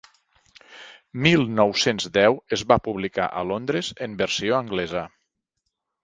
Mil nou-cents deu es va publicar a Londres en versió anglesa.